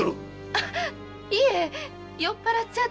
あいえ酔っ払っちゃって。